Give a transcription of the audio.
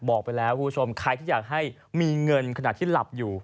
บอกไปแล้วคุณผู้ชมใครที่อยากให้มีเงินขนาดที่หลับอยู่